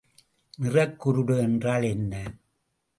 நிறக்குருடு என்றால் என்ன?